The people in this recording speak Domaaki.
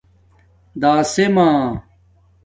دَاسیمݳ